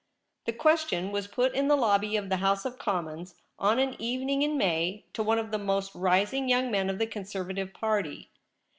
The question was put in the lobby of the House of Commons, on an evening in May, to one of the most rising young men of the Conservative Party.